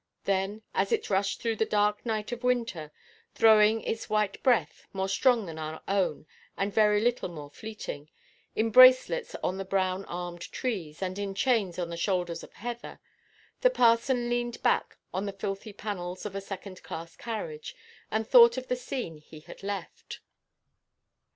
Then, as it rushed through the dark night of winter, throwing its white breath (more strong than our own, and very little more fleeting) in bracelets on the brown–armed trees, and in chains on the shoulders of heather, the parson leaned back on the filthy panels of a second–class carriage, and thought of the scene he had left.